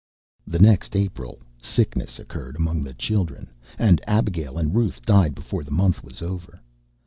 The next April, sickness occurred among the children, and Abigail and Ruth died before the month was over.